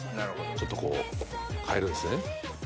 ちょっと変えるんすね。